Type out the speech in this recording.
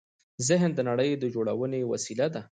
ذهن د نړۍ د جوړونې وسیله ده.